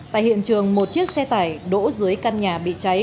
tại hiện trường một chiếc xe tải đỗ dưới căn nhà bị cháy